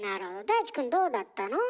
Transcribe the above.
大地くんどうだったの？